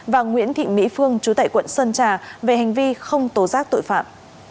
và nguyễn thị mỹ phương chú tại quận sơn trà về hành vi không tố giác tội phạm